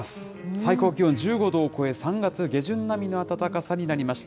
最高気温１５度を超え、３月下旬並みの暖かさになりました。